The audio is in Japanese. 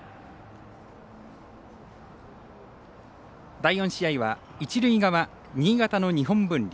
第４試合は、一塁側新潟の日本文理。